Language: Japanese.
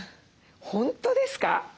本当ですか？